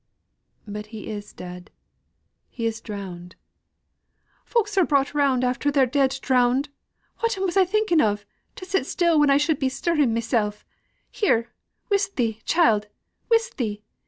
"But he is dead he is drowned!" "Folk are brought round after they're dead drowned. Whatten was I thinking of, to sit still when I should be stirring mysel'? Here, whisth thee, child whisth thee!